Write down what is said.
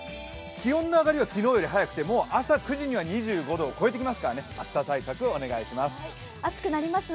気温の上がりは昨日より早くて朝９時には２５度を超えてきますので暑さ対策をお願いします。